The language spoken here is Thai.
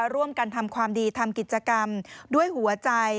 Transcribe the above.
ร่วมกันทำความดีทำกิจกรรมด้วยหัวใจ